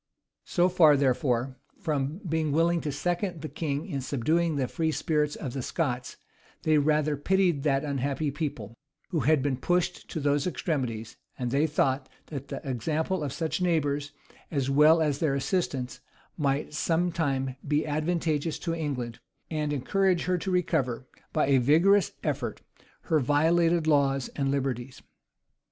So far, therefore, from being willing to second the king in subduing the free spirit of the Scots, they rather pitied that unhappy people, who had been pushed to those extremities; and they thought, that the example of such neighbors, as well as their assistance, might some time be advantageous to England, and encourage her to recover, by a vigorous effort, her violated laws and liberties.